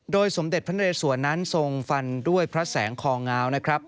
สมเด็จพระนเรสวนนั้นทรงฟันด้วยพระแสงคองาวนะครับ